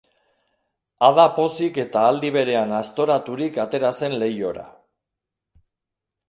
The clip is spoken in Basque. Ada pozik eta aldi berean aztoraturik atera zen leihora.